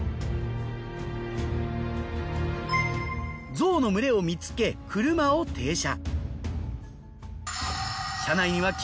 ゾウの群れを見つけ車を停車。